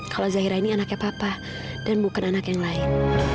kalau zahira ini anaknya papa dan bukan anak yang lain